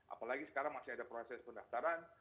apalagi sekarang masih ada proses pendaftaran